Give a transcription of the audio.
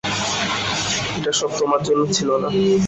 এটা সব তোমার জন্য ছিল না।